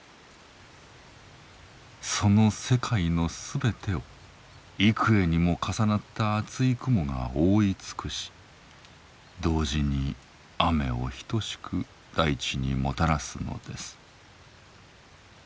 その世界のすべてを幾重にも重なった厚い雲が覆い尽くし同時に雨を等しく大地にもたらすのです。